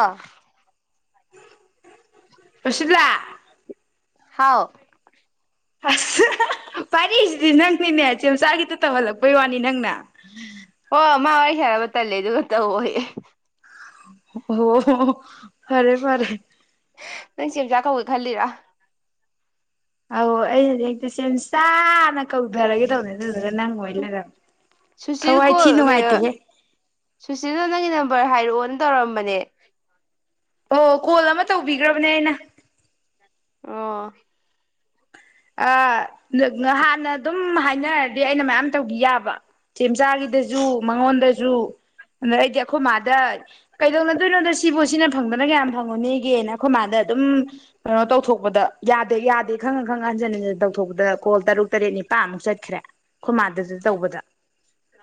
ꯑ ꯔꯁꯤꯠꯂꯥ ꯍꯥꯎ ꯄꯥꯢꯔꯩꯁꯤꯗꯤ ꯅꯪꯅꯤꯅꯦ ꯆꯦꯆꯥ ꯈꯤꯇ ꯇꯧꯍꯜꯂꯛꯄꯩ ꯋꯥꯅꯤ ꯅꯪꯅ ꯑ ꯃꯥ ꯋꯥꯔꯤ ꯁꯥꯥꯟꯅꯕ ꯇꯜꯂꯦ ꯑꯗꯨꯒ ꯇꯧ ꯑꯣ ꯐꯔꯦ ꯐꯔꯦ ꯅꯪ ꯆꯦꯝ ꯆꯥꯛ ꯀꯧꯒꯦ ꯈꯜꯂꯤꯔꯥ ꯑꯧ ꯑꯩ ꯍꯧꯖꯤ ꯍꯦꯛꯇꯤ ꯁꯦꯟꯁꯥꯅ ꯀꯧꯊꯔꯒꯦ ꯇꯧꯅꯦ ꯑꯗꯨꯗꯨꯒ ꯅꯪ ꯑꯣꯢ ꯂꯩꯔꯝꯃꯦ ꯁꯨꯁꯤꯜ ꯊꯋꯥꯏ ꯊꯤ ꯀꯣꯜ ꯅꯨꯡꯉꯥꯏꯇꯦꯍꯦ ꯚꯔ ꯍꯥꯏꯔꯛꯑꯣꯅ ꯇꯧꯔꯝꯕꯅꯦ ꯑꯣ ꯀꯣꯜ ꯑꯃ ꯇꯧꯕꯤꯈ꯭ꯔꯕꯅꯦ ꯑꯩꯅ ꯑꯣ ꯑ ꯅꯍꯥꯟꯅ ꯑꯗꯨꯝ ꯍꯥꯏꯅꯔꯗꯤ ꯑꯩꯅ ꯃꯌꯥꯝ ꯇꯧꯈꯤ ꯌꯥꯕ ꯆꯦꯝꯆꯥꯥꯛꯒꯤꯗꯖꯨ ꯃꯉꯣꯟꯗꯁꯨ ꯑꯗꯣ ꯑꯩꯗꯤ ꯑꯩꯈꯣꯏ ꯃꯥꯗ ꯀꯩꯗꯧꯅꯗꯣꯏꯅꯣꯗ ꯁꯤꯕꯨ ꯁꯤꯅ ꯐꯪꯗꯅ ꯀꯌꯥꯝ ꯐꯪꯉꯨꯅꯤꯒꯦꯅ ꯑꯩꯈꯣꯏ ꯃꯥꯗ ꯑꯗꯨꯝ ꯀꯩꯅꯣ ꯇꯧꯊꯣꯛꯄꯗ ꯌꯥꯗꯦ ꯌꯥꯗꯦ ꯈꯪ ꯈꯪ ꯍꯟꯖꯤꯟ ꯍꯟꯖꯤꯟ ꯇꯧꯊꯣꯛꯄꯗ ꯀꯣꯜ ꯇꯔꯨꯛ ꯇꯔꯦꯠ ꯅꯤꯄꯥꯃꯨꯛ ꯆꯠꯈ꯭ꯔꯦ ꯃꯥꯗꯁꯨ ꯇꯧꯕꯗ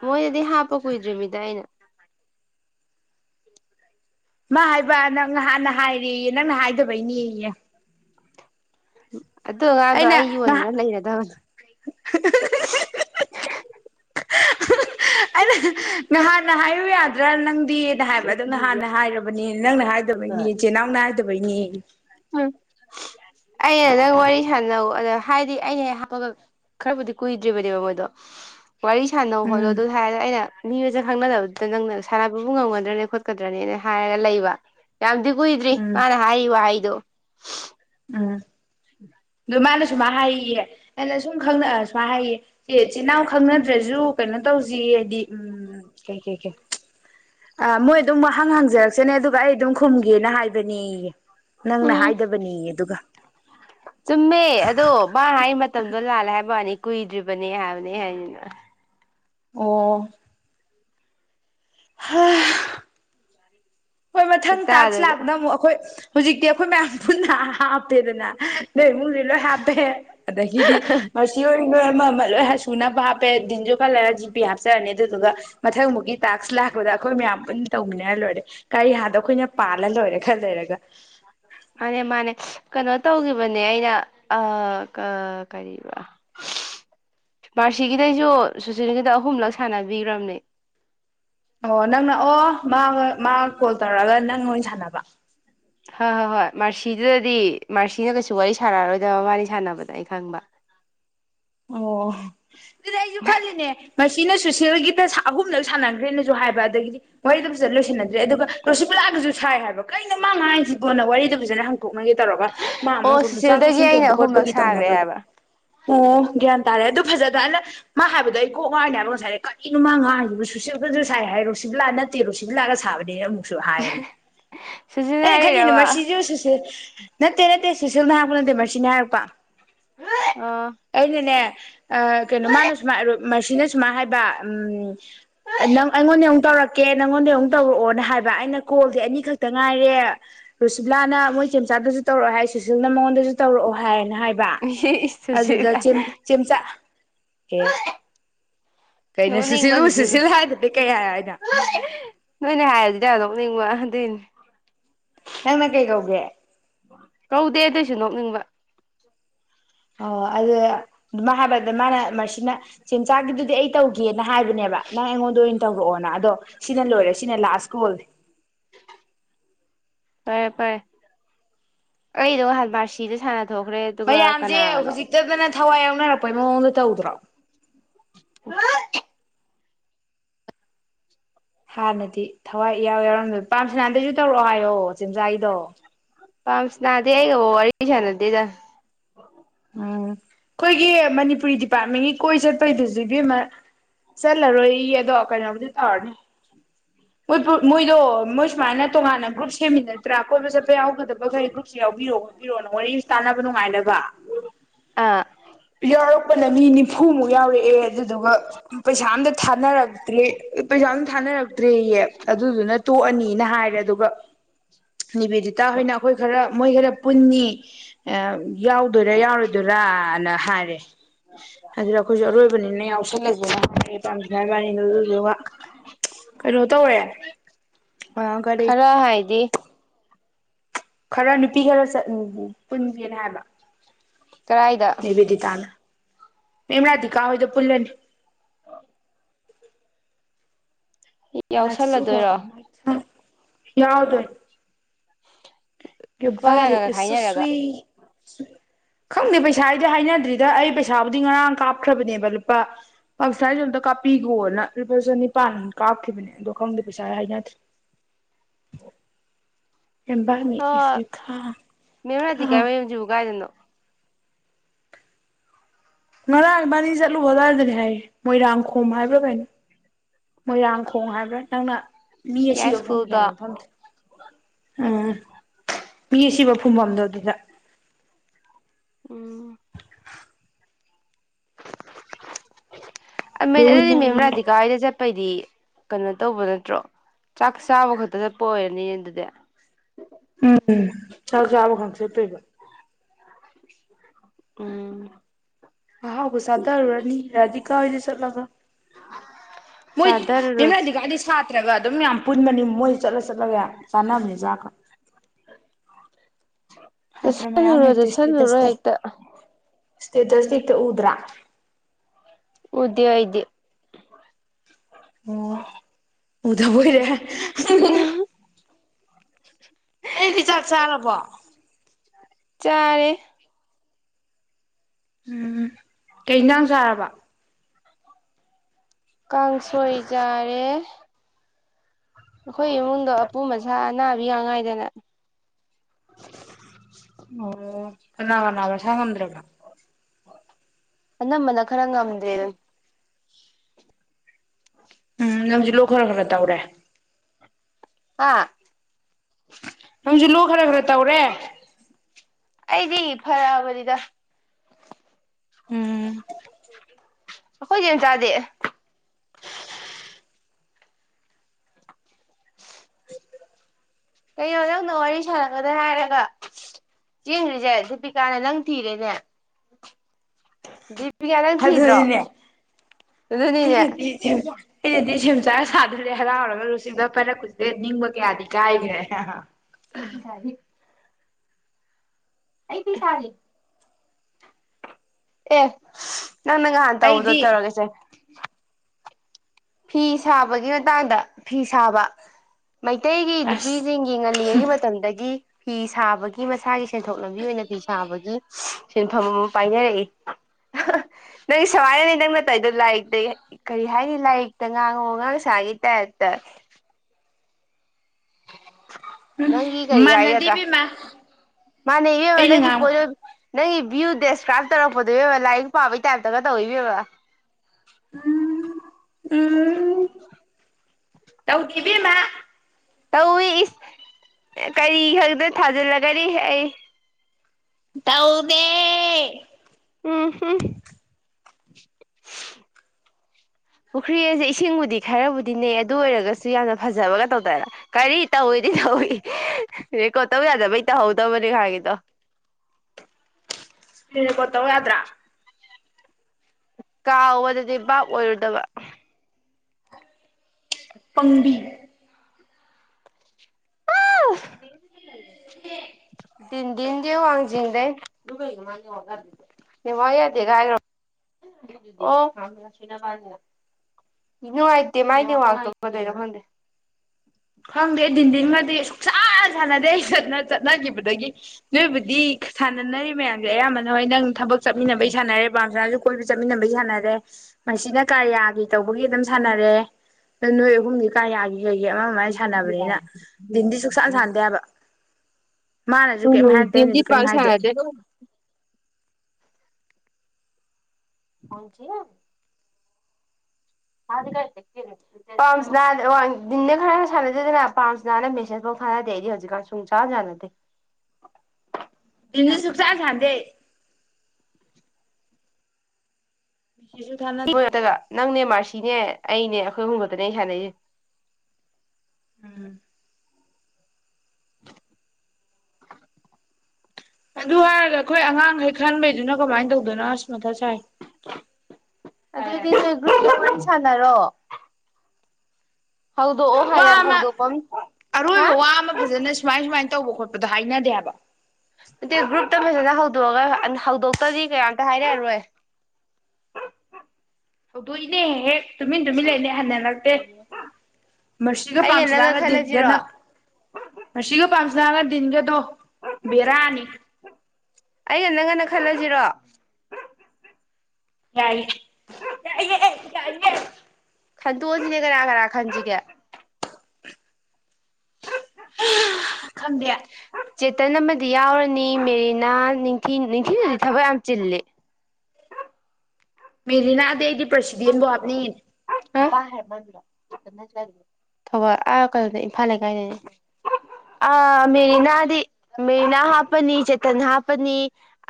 ꯃꯣꯏꯗꯗꯤ ꯍꯥꯞꯄ ꯀꯨꯏꯗ꯭ꯔꯤꯃꯤꯗ ꯑꯩꯅ ꯃꯥ ꯍꯥꯏꯕ ꯅꯪ ꯍꯥꯟꯅ ꯍꯥꯏꯔꯦꯌꯦ ꯅꯪꯅ ꯍꯥꯏꯗꯕꯩꯅꯦꯌꯦ ꯎꯝ ꯑꯗꯨꯉꯥꯡꯗꯣ ꯑꯩꯅ ꯑꯩ ꯌꯣꯟꯗꯨꯅ ꯂꯩꯔꯗꯕꯅꯤ ꯑꯩꯅ ꯅꯍꯥꯟꯅ ꯍꯥꯏꯌꯨ ꯌꯥꯗ꯭ꯔꯥ ꯅꯪꯗꯤꯅ ꯍꯥꯏꯕ ꯑꯗꯨꯝ ꯅꯍꯥꯟꯅ ꯍꯥꯏꯔꯕꯅꯤ ꯅꯪꯅ ꯍꯥꯏꯗꯕꯩꯅꯦ ꯏꯆꯦ ꯏꯅꯥꯎꯅ ꯍꯥꯏꯗꯕꯩꯅꯦ ꯎ ꯑꯩꯅ ꯅꯪ ꯋꯥꯔꯤ ꯁꯥꯟꯅꯧ ꯑꯗꯣ ꯍꯥꯏꯗꯤ ꯑꯩꯅ ꯍꯦꯛ ꯍꯥꯄꯒ ꯈꯔꯕꯨꯗꯤ ꯀꯨꯏꯗ꯭ꯔꯤꯕꯅꯦꯕ ꯃꯣꯏꯗꯣ ꯋꯥꯔꯤ ꯁꯥꯟꯅꯧ ꯈꯣꯠꯂꯣ ꯎꯝ ꯑꯗꯨ ꯍꯥꯏꯔꯒ ꯑꯩꯅ ꯃꯤ ꯃꯁꯛ ꯈꯪꯅꯗꯕꯗꯨꯗ ꯅꯪꯅ ꯁꯥꯟꯅꯕꯕꯨ ꯉꯝꯒꯗ꯭ꯔꯅꯦ ꯈꯣꯠꯀꯗ꯭ꯔꯅꯦꯅ ꯍꯥꯏꯔꯒ ꯂꯩꯕ ꯌꯥꯝꯗꯤ ꯀꯨꯏꯗ꯭ꯔꯤ ꯎꯝ ꯃꯥꯅ ꯍꯥꯏꯔꯤꯕ ꯋꯥꯍꯩꯗꯣ ꯎꯝ ꯑꯗꯨ ꯃꯥꯅ ꯁꯨꯃꯥꯏꯅ ꯍꯥꯏꯌꯦ ꯑꯩꯅ ꯁꯨꯝ ꯈꯪꯅ ꯁꯨꯃꯥꯏꯅ ꯍꯥꯏꯌꯦ ꯏ ꯏꯆꯤꯜ ꯏꯅꯥꯎ ꯈꯪꯅꯗ꯭ꯔꯁꯨ ꯀꯩꯅꯣ ꯇꯧꯁꯤ ꯍꯥꯏꯗꯤ ꯎꯝ ꯀꯩ ꯀꯩ ꯀꯩ ꯑ ꯃꯣꯏ ꯑꯗꯨꯝ ꯋꯥꯍꯪ ꯍꯥꯡꯖꯔ ꯆ ꯆꯅꯦ ꯑꯗꯨꯒ ꯑꯩ ꯑꯗꯨꯝ ꯈꯨꯝꯒꯦꯅ ꯍꯥꯏꯕꯅꯤ ꯅꯪꯅ ꯎꯝ ꯍꯥꯏꯗꯕꯅꯤ ꯑꯗꯨꯒ ꯆꯨꯝꯃꯦ ꯑꯗꯣ ꯃꯥ ꯍꯥꯏ ꯃꯇꯝꯗꯣ ꯂꯥꯜꯂꯦ ꯍꯥꯏꯕꯅꯤ ꯀꯨꯏꯗ꯭ꯔꯤꯕꯅꯦ ꯍꯥꯏꯕꯅꯦ ꯍꯥꯏꯅ ꯑꯣ ꯍ ꯍꯣꯏ ꯃꯊꯪ ꯇꯥꯛꯁ ꯁꯛꯇꯥꯗꯨꯒ ꯂꯥꯛꯄꯅ ꯑꯃꯨꯛ ꯑꯩꯈꯣꯏ ꯍꯧꯖꯤꯛꯇꯤ ꯑꯩꯈꯣꯏ ꯃꯌꯥꯝ ꯄꯨꯟꯅ ꯍꯥꯞꯄꯦꯗꯅ ꯅꯣꯏ ꯏꯃꯨꯡꯁ ꯂꯣꯏ ꯍꯥꯞꯄꯦ ꯑꯗꯒꯤꯗꯤ ꯃꯆꯤ ꯍꯣꯏ ꯂꯣꯏ ꯑꯃ ꯑꯃ ꯂꯣꯏ ꯍꯥ ꯁꯨꯅꯕ ꯍꯥꯞꯄꯦ ꯗꯤꯟꯁꯨ ꯈꯜꯂꯔꯒ ꯖꯤ ꯄꯤ ꯍꯥꯞꯆꯔꯅꯤ ꯑꯗꯨꯗꯨꯒ ꯃꯊꯪ ꯃꯨꯛꯀꯤ ꯇꯥꯛꯁ ꯂꯥꯛꯄꯗ ꯑꯩꯈꯣꯏ ꯃꯌꯥꯝ ꯄꯨ ꯇꯧꯃꯤꯟꯅꯔ ꯂꯣꯏꯔꯦ ꯀꯥꯔꯤꯌꯥꯗꯣ ꯑꯩꯈꯣꯏꯅ ꯄꯥꯜꯂ ꯂꯣꯏꯔꯦ ꯈꯔ ꯂꯩꯔꯒ ꯃꯥꯅꯦ ꯃꯥꯅꯦ ꯀꯩꯅꯣ ꯇꯧꯈꯤꯕꯅꯦ ꯑꯩꯅ ꯑ ꯀ [inaudible] ꯃꯥꯔꯁꯤꯒꯤꯗꯩꯁꯨ ꯁꯨꯁꯤꯜꯒꯤꯗ ꯑꯍꯨꯝꯂꯛ ꯁꯥꯟꯅꯕꯤꯈ꯭ꯔꯕꯅꯦ ꯑꯣ ꯅꯪꯅ ꯑꯣ ꯃꯥ ꯃꯥ ꯀꯣꯜ ꯇꯧꯔꯛꯑꯒ ꯅꯪ ꯑꯣꯏꯅ ꯁꯥꯟꯅꯕ ꯍꯣꯏ ꯍꯣꯏ ꯍꯣꯏ ꯃꯥꯔꯁꯤꯗꯨꯗꯗꯤ ꯃꯥꯔꯁꯤꯅ ꯀꯩꯁꯨ ꯋꯥꯔꯤ ꯁꯥꯟꯅꯛꯑꯔꯣꯏꯗꯕ ꯋꯥꯔꯤꯅꯤ ꯁꯥꯟꯅꯕꯗ ꯑꯩ ꯈꯪꯕ ꯑꯣ ꯑꯗꯨ ꯈꯂꯤ ꯁꯤꯅ ꯁꯨꯁꯤꯦꯜꯒꯤꯗ ꯑꯍꯨꯝꯅ ꯁꯥꯟꯅꯈ꯭ꯔꯦꯅꯁꯨ ꯍꯥꯏꯕ ꯑꯗꯒꯤꯗꯤ ꯋꯥꯔꯤꯍꯩꯗꯣ ꯐꯖꯗ ꯂꯣꯏꯁꯤꯟꯅꯗ꯭ꯔꯦ ꯑꯗꯨꯒ ꯔꯣꯁꯤ ꯄꯨꯂꯑꯒꯁꯨ ꯁꯥꯏ ꯍꯥꯏꯕ ꯀꯩꯅꯣ ꯃꯥꯡꯉ ꯍꯥꯏꯁꯤꯕꯣꯟꯅ ꯋꯥꯔꯤꯗ ꯐꯖꯅ ꯍꯪ ꯊꯣꯛꯅꯒꯦ ꯇꯧꯔꯒ ꯃꯥ ꯑꯃꯨꯛ ꯑꯣ ꯁꯣꯝꯗ ꯆꯥꯛꯒꯤ ꯁꯨꯁꯤꯜꯗꯒꯤ ꯏꯁꯤꯡ ꯑꯩꯅ ꯊꯣꯡꯕ ꯑꯍꯨꯝꯂꯛ ꯈꯣꯠꯄꯒꯤ ꯁꯥꯈ꯭ꯔꯦ ꯇꯧꯅꯕ꯭ꯔꯕ ꯍꯥꯏꯕ ꯑꯣ ꯒ꯭ꯌꯥꯟ ꯇꯥꯔꯦ ꯑꯗꯨ ꯐꯖꯗꯅ ꯑꯅ ꯃꯥ ꯍꯥꯏꯕꯗꯣ ꯑꯩ ꯀꯣꯛ ꯋꯥꯥꯏꯅꯦ ꯍꯥꯏꯕ ꯉꯁꯥꯏꯗ ꯀꯔꯤꯅꯣ ꯃꯥ ꯉꯥꯡꯔꯤꯁꯤ ꯁꯨꯁꯂꯁꯨ ꯁꯥꯏ ꯍꯥꯏ ꯑꯩ ꯔꯣꯁꯤꯕꯨ ꯂꯥꯛ ꯅꯠꯇꯦ ꯔꯣꯁꯤꯕꯤ ꯂꯥꯛꯑꯒ ꯁꯥꯕꯅꯦ ꯑꯃꯨꯛ ꯁꯨ ꯍꯥꯏꯌꯦꯅ ꯁꯨꯁꯤꯜ ꯑꯩꯅ ꯈꯜꯂꯤꯅꯦ ꯍꯥꯏꯔꯛꯏꯔꯕ ꯃꯁꯤꯁꯨꯨ ꯁꯤꯁꯦ ꯅꯠꯇꯦ ꯅꯠꯇꯦ ꯁꯨꯁꯜꯅ ꯍꯥꯏꯔꯛꯄ ꯅꯠꯇꯦ ꯃꯁꯤꯁꯤꯅ ꯍꯥꯏꯔꯛꯄ ꯑ ꯑꯩꯅꯅꯦ ꯀꯩꯅꯣ ꯃꯥꯅ ꯁꯨꯃꯥꯏꯅ ꯃꯁꯤꯅ ꯁꯨꯃꯥꯏꯅ ꯍꯥꯏꯕ ꯎꯝ ꯅꯪ ꯑꯩꯉꯣꯟꯗ ꯑꯃꯨꯛ ꯇꯧꯔꯛꯀꯦ ꯅꯉꯣꯟꯗ ꯑꯃꯨꯛ ꯇꯧꯔꯛꯑꯣꯅꯦ ꯍꯥꯏꯕ ꯑꯩꯅ ꯀꯣꯜꯗꯤ ꯑꯅꯤ ꯈꯛꯇ ꯉꯥꯏꯔꯦ ꯔꯨꯁꯤꯕꯂꯥꯅ ꯃꯣꯏ ꯆꯆꯥꯗꯁꯨ ꯇꯧꯔꯛꯑꯣꯦ ꯍꯥꯏ ꯁꯨꯁꯤꯜꯅ ꯃꯉꯣꯟꯗ ꯇꯧꯔꯛꯑꯣ ꯍꯥꯏꯌꯦꯅ ꯍꯥꯏꯕ ꯁꯨꯁꯤꯜ ꯑꯗꯨꯗ ꯆꯦꯝꯆꯥꯛ ꯑꯦ ꯀꯩꯅꯣ ꯁꯨꯁꯤꯜꯕꯨ ꯁꯨꯁꯤꯜ ꯍꯥꯏꯗꯗꯤ ꯀꯩ ꯍꯥꯏꯣ ꯍꯥꯏꯅ ꯑꯗꯨꯗꯤꯗꯧ ꯅꯤꯡꯕ ꯑꯗꯨꯅꯤ ꯅꯪ ꯃ ꯀꯩꯒ ꯍꯒꯦ ꯀꯧꯗꯦ ꯑꯗꯨꯏꯁꯨ ꯅꯣꯛꯅꯤꯡꯕ ꯑꯣ ꯑꯗꯨꯗ ꯃꯥꯥꯕꯗ ꯃꯥꯅ ꯃꯁꯤꯁꯅ ꯁꯦꯟꯖꯥꯛꯒꯤꯗꯨꯗꯤ ꯑꯩ ꯇꯧꯒꯦꯅ ꯍꯥꯏꯕꯅꯦꯕ ꯅꯪ ꯑꯩꯉꯣꯟꯗ ꯑꯣꯏꯅ ꯇꯧꯔꯛꯑꯣꯅ ꯑꯗꯣ ꯁꯤꯅ ꯂꯣꯏꯔꯦ ꯁꯤꯅ ꯂꯥꯁ ꯀꯣꯜ ꯐꯔꯦ ꯐꯔꯦ ꯑꯩꯗꯣ ꯉꯍꯥꯟ ꯃꯥꯔꯁꯤꯗ ꯁꯥꯟꯅ ꯊꯣꯛꯈ꯭ꯔꯦ ꯑꯗꯨꯒ ꯃꯌꯥꯝꯁꯦ ꯀꯅꯥꯒꯅꯣ ꯍꯧꯖꯤꯛꯇꯗꯅ ꯊꯋꯥꯏ ꯌꯥꯎꯅꯔꯛꯄꯩ ꯃꯑꯣꯡꯗ ꯇꯧꯗ꯭ꯔꯣ ꯍ ꯍꯥꯟꯅꯗꯤ ꯊꯋꯥꯏ ꯌꯥꯎ ꯌꯥꯎꯔꯝꯗꯕ ꯄꯥꯝꯁꯤ ꯅꯍꯥꯟꯟꯗꯩꯁꯨ ꯇꯧꯔꯛꯑꯣ ꯍꯥꯏꯌꯣ ꯆꯤꯟꯖꯥꯛꯒꯤꯗꯣ ꯄꯝꯁꯅꯥꯗꯒ ꯋꯥꯔꯤ ꯋꯥꯔꯤꯁꯅꯗꯦꯗ ꯎꯝ ꯑꯩꯈꯣꯏꯒꯤ ꯃꯅꯤꯄꯨꯔꯤ ꯗꯤꯄꯥꯔꯠꯃꯦꯟꯒꯤ ꯀꯣꯏ ꯆꯠꯄꯩꯗꯨꯁꯨ ꯏꯕꯦꯝꯃ ꯆꯠꯂꯔꯣꯏ ꯏ ꯑꯗꯣ ꯀꯩꯅꯣꯕꯨꯗꯤ ꯇꯧꯔꯅꯤ [unintelligible] ꯃꯣꯏ ꯃꯣꯏꯁꯨ ꯃꯥꯏꯅ ꯇꯣꯉꯥꯟꯅ ꯒ꯭ꯔꯨꯞ ꯁꯦꯝꯃꯤꯟꯅꯗ꯭ꯔꯥ ꯀꯣꯏꯕ ꯆꯠꯄ ꯌꯥꯎꯒꯗꯕꯈꯩ ꯒ꯭ꯔꯨꯞꯁ ꯌꯥꯎꯕꯤꯔꯣ ꯈꯣꯠꯄꯤꯔꯛꯑꯣ ꯅ ꯋꯥꯔꯤꯁꯨ ꯇꯥꯟꯅꯕ ꯅꯨꯡꯉꯥꯏꯅꯕ ꯑꯥ ꯌꯥꯎꯔꯛꯄꯅ ꯃꯤ ꯅꯤꯐꯨꯃꯨꯛ ꯌꯥꯎꯔꯛꯑꯦ ꯑꯗꯨꯗꯨꯒ ꯄꯩꯁꯥ ꯑꯝꯇ ꯊꯥꯅꯔꯛꯇ꯭ꯔꯦ ꯄꯩꯁꯥ ꯑꯝꯇ ꯊꯥꯅꯔ ꯇ꯭ꯔꯦꯌꯦ ꯑꯗꯨꯗꯨꯅ ꯇꯣꯛꯑꯅꯤꯅ ꯍꯥꯏꯔꯦ ꯑꯗꯨꯒ ꯅꯤꯕꯦꯗꯤꯇꯥ ꯍꯣꯏꯅ ꯑꯩꯈꯣꯏ ꯈꯔ ꯃꯣꯏ ꯈꯔ ꯄꯨꯟꯅꯤ ꯌꯥꯎꯗꯣꯏꯔꯥ ꯌꯥꯎꯔꯣꯏꯗꯣꯏꯔꯥ ꯍꯥꯏꯔꯦ ꯑꯗꯨꯗ ꯑꯩꯈꯣꯏꯁꯨ ꯑꯔꯣꯏꯕꯅꯤꯅ ꯌꯥꯎꯁꯜꯂꯁꯦ ꯄꯥꯝꯁꯤꯅ ꯋꯥꯅꯤꯗ ꯑꯗꯨ ꯀꯩꯅꯣ ꯇꯧꯋꯦ ꯑꯥ ꯀꯔꯤ ꯈꯔ ꯍꯥꯏꯗꯤ ꯈꯔ ꯅꯨꯄꯤ ꯈꯔ ꯄꯨꯟꯒꯦꯅ ꯍꯥꯏꯕ ꯀꯗꯥꯏꯗ ꯕꯦꯗꯤ ꯇꯅ ꯃꯤꯔꯥꯗꯤ ꯀꯥ ꯑꯣꯏꯣꯏꯗ ꯄꯨꯂꯅꯤ ꯃꯠꯁꯨ ꯌꯥꯎꯁꯜꯂꯗꯣꯏꯔꯣ ꯍ ꯌꯥꯎꯗꯣꯏ [unintelligible] ꯌ ꯂꯨꯄꯥ ꯔꯦ ꯀꯌꯥꯒ ꯏꯁꯁꯨ ꯈꯥꯏꯅꯔꯒ ꯁꯏ ꯈꯪꯗꯦ ꯄꯩꯁꯥ ꯑꯩꯗꯤ ꯍꯥꯏꯅꯗ꯭ꯔꯤꯗ ꯑꯩ ꯄꯩꯁꯥꯕꯨꯗꯤ ꯉꯔꯥꯡ ꯀꯥꯞꯈ꯭ꯔꯕꯅꯦꯕ ꯂꯨꯄꯥ ꯄꯞꯁꯥꯏꯁ ꯑꯝꯇ ꯀꯥꯞꯄꯤ ꯄꯤꯒꯣꯅꯨꯄꯥꯁ ꯅꯤꯄꯥꯟ ꯀꯥꯞꯈꯤꯕꯅꯦ ꯑꯗꯣ ꯈꯪꯗꯦ ꯄꯩꯁꯥ ꯍꯥꯏꯅꯗ꯭ꯔꯦ [unintelligible] ꯑꯣ ꯃꯅꯥ ꯀꯝ ꯀꯥꯏꯖꯤ ꯎ ꯀꯥꯏꯗꯅꯣ ꯉꯔꯥꯡꯕꯥꯅꯤ ꯆꯠꯂꯨꯕ ꯑꯗꯨꯋꯥꯏꯗꯗꯤ ꯍꯥꯏꯌꯦ ꯃꯣꯏꯔꯥꯡꯈꯣꯝ ꯍꯥꯏꯕ꯭ꯔꯥ ꯀꯩꯅꯣ ꯃꯣꯏꯔꯥꯡꯈꯣꯡ ꯍꯥꯏꯕ꯭ꯔꯥ ꯅꯪꯅ ꯃꯤ ꯌꯥꯏ ꯑꯁꯤꯕ ꯐꯨꯝꯒꯤ ꯁ꯭ꯀꯨꯜꯗꯣ ꯍꯥꯏꯕ ꯃꯐꯝꯗꯨ ꯎꯝ ꯃꯤ ꯑꯁꯤꯕ ꯐꯨꯝꯐꯝꯗꯣ ꯑꯗꯨꯗ ꯎꯝ ꯃ ꯎꯝ ꯑꯗꯨꯗꯤ ꯃꯦꯝ ꯔꯥꯙꯤꯀꯥ ꯍꯣꯏꯗ ꯆꯠꯄꯩꯗꯤ ꯀꯩꯅꯣ ꯇꯧꯕ ꯅꯠꯇ꯭ꯔꯣ ꯆꯥꯛ ꯆꯥꯕ ꯈꯛꯇ ꯆꯠꯄ ꯑꯣꯏꯔꯅꯤ ꯑꯗꯨꯗꯤ ꯎꯝ ꯎꯝ ꯆꯥꯛ ꯆꯥꯕ ꯈꯛ ꯆꯠꯇꯣꯏꯕ ꯎꯝ ꯑꯥꯎꯕꯨ ꯁꯥꯗꯔ ꯔꯅꯤ ꯔꯙ ꯀꯥ ꯑꯣꯏꯗꯤ ꯆꯠꯂꯒ ꯃꯣꯏ ꯆꯥꯊꯔꯨꯔꯣ ꯗꯤꯗꯤ ꯁꯥ ꯅꯠꯇ꯭ꯔꯒ ꯑꯗꯨꯝ ꯌꯥꯝ ꯄꯨꯟꯕꯅꯤ ꯃꯣꯏ ꯆꯠꯂ ꯆꯠꯂꯒ ꯌꯥꯝ ꯆꯥꯟꯅꯕꯅꯤ ꯆꯖꯥꯛ ꯈ ꯍꯥ ꯇ꯭ꯔ ꯃꯌꯥꯝꯝ ꯆꯠꯁꯜꯂꯨꯔꯣ ꯍꯦꯇꯦ ꯏꯁꯇ ꯆꯠꯁꯜꯂꯨꯔꯣ ꯇꯁꯇ ꯍꯦꯛꯇ ꯁꯇꯦꯇꯁꯇꯇ ꯎꯗ꯭ꯔꯥ ꯎꯗꯦ ꯑꯩꯗꯤ ꯑꯣ ꯎꯗꯕꯨꯔꯦ [unintelligible] ꯅꯗꯤ ꯆꯥꯛ ꯆꯥꯔꯕꯣ ꯆꯔꯦ ꯎꯝ ꯀꯩ ꯌꯦꯟꯖꯥꯡ ꯆꯥꯔꯕ ꯀꯥꯡ ꯁꯣꯏꯖꯔꯦ ꯑꯩꯈꯣꯏ ꯏꯃꯨꯡꯗꯣ ꯑꯄꯨꯝꯕ ꯁꯥ ꯑꯅꯥꯕꯌꯥ ꯉꯥꯏꯗꯅ ꯑꯣ ꯀꯅꯥꯅꯥꯕꯁꯥ ꯁꯗ꯭ꯔꯕ ꯑꯅꯝꯕꯅ ꯈꯔ ꯉꯝꯗ꯭ꯔꯦꯗ ꯎꯝ ꯅꯪꯁꯤꯂꯣ ꯈꯔ ꯈꯔ ꯇꯧꯔꯦ ꯑꯥ ꯅꯪꯁꯨ ꯂꯨ ꯈꯔ ꯈꯔ ꯇꯧꯔꯦ ꯑꯩꯗꯤ ꯐꯔꯑꯕꯅꯤꯗ ꯎꯝ ꯑꯩꯈꯣꯏ ꯌꯥꯝꯝ ꯆꯥꯗꯦ ꯀꯩꯅꯣ ꯅꯪꯅ ꯋꯥꯔꯤ ꯁꯥꯟꯅꯒꯗ꯭ꯔ ꯍꯥꯏꯔꯒ ꯆꯦꯟꯈ꯭ꯔꯤꯁꯦ ꯗꯤꯄꯤꯀꯥꯅꯦ ꯅꯪ ꯊꯤꯔꯦꯅꯦ [unintelligible] ꯒꯤ ꯑꯗꯨꯅꯤꯅꯦ ꯑꯗꯨꯗꯟꯅꯦꯩꯅ ꯆꯥ ꯁꯥꯗꯨꯗꯤꯦ ꯍꯔꯥꯎꯔꯒ ꯔꯨꯁꯤꯗ ꯄꯥꯏꯔꯛꯄꯨꯁꯤꯦ ꯅꯤꯡꯕ ꯀꯌꯥꯗꯤ ꯀꯥꯏꯈ꯭ꯔꯦ ꯁꯥꯦ ꯑꯩꯗꯤꯁꯂꯤ ꯑꯦ ꯅꯪꯅ ꯉꯍꯥꯟ ꯇꯧꯕꯗꯣ ꯑꯩꯗꯤ ꯇꯧꯔꯒꯁꯦ ꯐꯤ ꯁꯥꯕꯒꯤ ꯃꯇꯥꯡꯗ ꯐꯤ ꯁꯥꯕ ꯃꯩꯇꯩꯒꯤ ꯑꯁ ꯅꯨꯄꯤꯁꯤꯡꯒꯤ ꯉꯜꯂꯤꯉꯩꯒꯤ ꯃꯇꯝꯗꯒꯤ ꯐꯤ ꯁꯥꯕꯒꯤ ꯃꯁꯥꯒꯤ ꯁꯦꯟꯊꯣꯛ ꯂꯝꯕꯤ ꯑꯣꯏꯅ ꯐꯤ ꯁꯥꯕꯒꯤ ꯁꯦꯟꯐꯝ ꯑꯃ ꯄꯥꯏꯅꯔꯛꯏ ꯅꯪ ꯁꯃꯥꯏꯅꯅꯦ ꯅꯪ ꯅꯠꯇ ꯇꯧ ꯑꯩꯗꯣ ꯂꯥꯏꯔꯤꯛꯇꯇꯩ ꯀꯔꯤ ꯍꯥꯏꯅꯤ ꯂꯥꯏꯔꯤꯛ ꯇ ꯉꯥꯡ ꯎꯉꯥꯡ ꯁꯒꯤꯇ ꯑꯦꯛꯇ ꯅꯪꯪꯒꯤ ꯀꯔꯤ ꯍꯥꯏ ꯃꯥꯟꯅꯗꯦ ꯑꯗ꯭ꯔ ꯏꯕꯦꯝꯃ ꯃꯥꯅꯦ ꯏꯦ ꯑꯩꯅ ꯋꯥꯅꯒ ꯏ ꯉꯥꯡ ꯄꯣ ꯅꯪꯒꯤ ꯚꯤꯌꯨ ꯗꯦꯁꯀ꯭ꯔꯥꯏꯞ ꯇꯧꯔꯛꯄꯗꯨꯕ ꯂꯥꯏꯔꯤꯛ ꯄꯥꯕꯩ ꯇꯥꯏꯞꯇꯒ ꯇꯧꯤꯕꯕ ꯎꯝ ꯎꯝ ꯇꯧ ꯊꯈꯤꯕꯤ ꯃꯥ ꯇꯧꯋꯤ ꯏꯁ ꯀꯔꯤ ꯈꯛꯇ ꯊꯥꯖꯤꯜꯂꯒꯅꯤ ꯑꯩ ꯇꯎꯗꯦ ꯎꯝ ꯍꯝ [unintelligible] ꯄꯨꯈ꯭ꯔꯤ ꯑꯁꯦ ꯏꯁꯤꯡꯕꯨꯗꯤ ꯈꯔꯕꯨꯗꯤꯅꯦ ꯑꯗꯨ ꯑꯣꯏꯔꯒꯁꯨ ꯌꯥꯝꯅ ꯐꯖꯕꯒ ꯇꯧꯗꯅ ꯀꯔꯤ ꯇꯧꯋꯤꯗꯤ ꯍꯧꯧꯏ ꯔꯦꯀꯣꯔꯠ ꯇꯧ ꯌꯥꯗꯕꯩ ꯇꯧꯍꯧꯗꯕꯅꯦ ꯈꯒꯤꯗꯣ ꯁꯤ ꯀꯠꯇꯕ ꯌꯥꯗ꯭ꯔꯥ ꯀꯥꯎꯕꯗꯗꯤ ꯚꯥꯞ ꯑꯣꯏꯔꯨꯗꯕ ꯄꯪꯕꯤ ꯑ ꯍ ꯇꯤꯟꯗꯤꯤꯟꯒꯤ ꯋꯥꯡꯖꯤꯡꯗꯩ ꯋꯥ ꯌꯥꯗꯦ ꯀꯥꯏꯈ꯭ꯔꯣ ꯁꯅ ꯣ ꯑꯥꯏꯇꯦ ꯃꯥꯏꯅꯇ ꯃꯗ ꯍꯗꯦ ꯈꯪꯗꯦ ꯑꯩ ꯟꯗꯤꯟꯒꯗꯤ ꯁꯨꯡꯁꯥꯟꯅ ꯁꯥꯟꯅꯗꯦ ꯑꯩ ꯆꯠꯅꯈꯤꯕꯗꯒꯤ ꯅꯣꯏꯕꯨꯗꯤ ꯁꯥꯟꯅꯅꯔꯤꯕ ꯃꯌꯥꯝꯁꯦ ꯑꯌꯥꯝꯕꯅ ꯍꯣꯏ ꯅꯪ ꯊꯕꯛ ꯆꯠꯃꯤꯟꯅꯕꯩ ꯁꯥꯟꯅꯔꯦ ꯄꯥꯝꯖꯥꯁꯨ ꯀꯣꯏꯕ ꯆꯠꯃꯤꯟꯅꯕꯒꯤ ꯁꯥꯟꯅꯔꯦ ꯃꯁꯤꯅ ꯀꯔꯤꯌꯥꯒꯤ ꯇꯧꯕꯒꯤ ꯑꯗꯨꯝ ꯁꯥꯟꯅꯔꯦ ꯅ ꯅꯣꯏ ꯑꯍꯨꯝꯗꯤ ꯀꯥ ꯌꯥꯈꯤꯦ ꯀꯩꯒꯤꯦ ꯑꯃ ꯑꯃ ꯁꯥꯟꯅꯕꯅꯤꯅ ꯗꯤꯟꯗꯤ ꯁꯨꯡꯛꯁꯥꯟꯅ ꯁꯥꯟꯅꯗꯦꯕ ꯎꯝ ꯕꯦꯟꯛꯀꯤ ꯄꯥꯁ ꯍꯥꯏꯗꯦ ꯁꯥꯔꯗꯤ ꯍꯟꯁꯤ ꯈꯔ ꯁꯗꯗꯅ ꯄꯁꯅꯥꯅꯁ ꯈꯔ ꯍꯦꯔꯤ ꯍꯧꯖꯤꯛ ꯀꯥꯟ ꯁꯨꯝ ꯆꯥꯖꯅꯗꯤ [unintelligible] ꯗꯤꯁꯨ ꯆꯥ ꯆꯗꯦ ꯁꯨ ꯊꯥꯅꯗꯦ ꯅꯠꯇꯒ ꯅꯪꯅꯦ ꯃꯥꯔꯁꯤꯅꯦ ꯑꯩꯅꯦ ꯑꯩꯈꯣꯏ ꯈꯣꯡꯒꯠꯇꯅꯦ ꯑꯩ ꯁꯥꯟꯅꯩꯁꯦ ꯎꯝ ꯑꯗꯨ ꯍꯥꯏꯔꯒ ꯑꯩꯈꯣꯏ ꯑꯉꯥꯡꯈꯩ ꯈꯟꯕꯩꯗꯨꯅ ꯀꯃꯥꯏꯅ ꯇꯧꯗꯣꯏꯅꯣ ꯑꯁ ꯃꯊꯥ ꯁꯥꯏ [unintelligible] [unintelligible] ꯋꯥꯔꯤ ꯁꯅꯔꯣ ꯋꯥ ꯑꯃ ꯍꯧꯗꯣꯛꯐꯝ ꯍꯥ ꯑꯔꯣꯏꯕ ꯋꯥ ꯑꯃ ꯐꯖꯅ ꯁꯨꯃꯥꯏ ꯁꯨꯃꯥꯏꯅ ꯇꯧꯕ ꯈꯣꯠꯄꯗꯣ ꯍꯥꯏꯅꯗꯦꯕ ꯅꯠꯇꯦ ꯒꯔꯨꯞ ꯍꯛꯇ ꯐꯖꯅ ꯍꯧꯗꯣꯛꯑꯒ ꯍꯧꯗꯣꯛꯇ꯭ꯔꯗꯤ ꯀꯌꯥꯝꯇ ꯍꯥꯏꯔꯑꯔꯣꯏ ꯍꯧꯗꯣꯛꯏꯅꯦꯍ ꯍꯦꯛ ꯇꯨꯃꯤꯟ ꯇꯨꯃꯤꯟ ꯂꯩꯅꯦ ꯍꯟꯅꯂꯛꯇꯦ ꯃꯁꯤꯒ ꯑꯩꯒ ꯅꯪꯒ ꯄꯥꯝꯁꯤꯂꯒ ꯈꯜꯂꯁꯤꯔꯣ ꯒꯅ ꯃꯁꯤꯒ ꯄꯥꯝ ꯅ ꯤꯟꯒꯦꯗꯣ ꯕꯤꯔꯥꯅꯤ ꯑꯩꯅꯟꯅꯪ ꯉꯟꯅ ꯈꯜꯂꯁꯤꯔꯣ ꯌꯥꯏ ꯌꯥꯏ ꯌꯥꯏ ꯈꯟꯗꯣꯛꯑꯁꯤꯅꯦ ꯀꯔꯥ ꯀꯔꯥ ꯈꯟꯁꯤꯒꯦ ꯈꯪꯗꯦ ꯆꯦꯇꯟ ꯑꯃꯗꯤ ꯌꯥꯎꯔꯅꯤ ꯃꯦꯔꯤꯅꯥ ꯅꯤꯡꯊꯤ ꯅꯤꯡꯊꯤꯅꯗꯤ ꯊꯕꯛ ꯌꯥꯝ ꯆꯤꯜꯂꯤ ꯃꯦꯔꯤ ꯅꯅꯥꯗꯗꯤ ꯄ꯭ꯔꯁꯗꯦꯟꯕꯨ ꯍꯄꯡꯉꯤꯅꯦ ꯊꯕꯥ ꯑ ꯀꯩꯅ ꯏꯝꯐꯥꯜ ꯂꯩ ꯀꯥꯏꯗꯗꯤ ꯑ ꯃꯦꯔꯤꯅꯥꯗꯤ ꯃꯦꯔꯤꯅꯥ ꯍꯥꯞꯄꯅꯤ ꯆꯇꯟ ꯍꯥꯞꯄꯅꯤ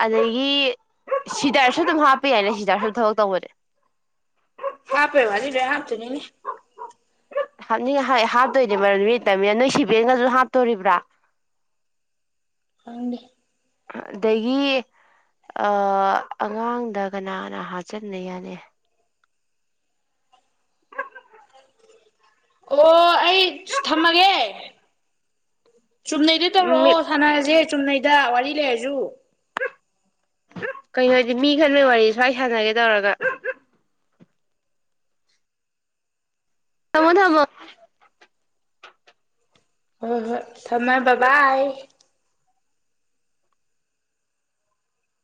ꯑꯗꯒꯤ ꯁꯤꯗꯥꯔꯁꯨ ꯑꯗꯨꯝ ꯍꯥꯞꯄ ꯌꯥꯏꯅꯦ ꯁꯤꯗꯔꯁꯨ ꯑꯗꯨꯝ ꯊꯕꯛ ꯇꯧꯕꯅꯦ [unintelligible] ꯍꯥꯄꯦꯕꯖꯤꯕ ꯍꯥꯞꯇꯅꯤꯅꯦ ꯍꯥꯞꯅꯤꯡꯉ ꯍꯥꯞꯇꯣꯏꯗꯤ ꯃꯔꯝꯗꯤ ꯂꯩꯇꯕꯅꯤꯅ ꯅꯣꯏ ꯁꯤꯕꯦꯟꯒꯁꯨ ꯍꯥꯞꯇꯣꯔꯤꯕ꯭ꯔꯥ [unintelligible] ꯎꯗꯤ ꯑꯗꯒꯤ ꯑ ꯑꯉꯥꯡꯗ ꯀꯅꯥꯅ ꯍꯥꯞꯆꯟꯅ ꯌꯥꯅꯤ ꯑꯣ ꯑꯩ ꯊꯝꯃꯒꯦ ꯆꯨꯝꯅꯩꯗ ꯃꯤ ꯇꯧꯔꯛꯑꯣ ꯁꯥꯟꯅꯔꯁꯦ ꯆꯨꯝꯅꯩꯗ ꯋꯥꯔꯤ ꯂꯩꯔꯁꯨ ꯀꯩꯅꯣ ꯍꯥꯏꯗꯤ ꯃꯤ ꯈꯔꯅ ꯋꯥꯔꯤ ꯁ꯭ꯋꯥꯏ ꯁꯥꯟꯅꯒꯦ ꯇꯧꯔꯒ ꯊꯃꯣ ꯊꯃꯣ ꯍ ꯍꯣꯏ ꯊꯝꯃꯃꯦ ꯕꯥꯥꯏ